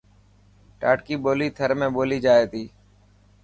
ڌاٽڪي ٻولي ٿر۾ ٻولي جائي ٿي.